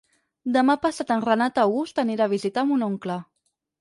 Demà passat en Renat August anirà a visitar mon oncle.